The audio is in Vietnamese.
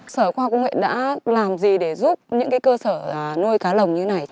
sở khoa học công nghệ đã làm gì để giúp những cơ sở nuôi cá lồng như thế này